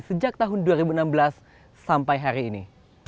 sejak tahun dua ribu enam belas sampai hari ini